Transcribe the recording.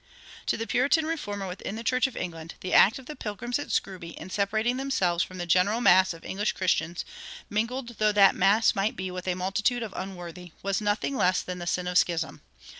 [84:1] To the Puritan reformer within the Church of England, the act of the Pilgrims at Scrooby in separating themselves from the general mass of English Christians, mingled though that mass might be with a multitude of unworthy was nothing less than the sin of schism.